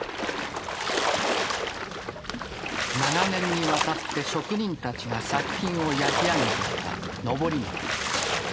長年にわたって職人たちが作品を焼き上げてきた登り窯。